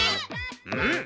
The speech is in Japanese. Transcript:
うん！